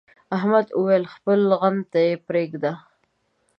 احمد وويل: خپل غم ته یې پرېږده.